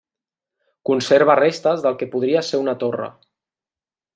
Conserva restes del que podria ser una torre.